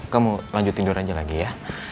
kamu lanjut tidur aja lagi ya